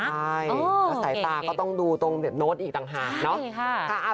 ใช่ใส่ตาก็ต้องดูตรงโน้ตอีกต่างแหละนะ